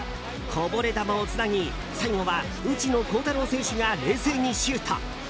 こぼれ球をつなぎ最後は内野航太郎選手が冷静にシュート！